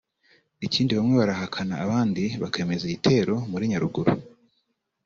Ikindi bamwe barahakana abandi bakemeza i gitero muri Nyaruguru